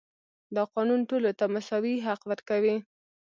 دا قانون ټولو ته مساوي حق ورکوي.